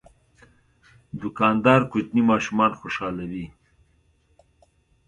دوکاندار کوچني ماشومان خوشحالوي.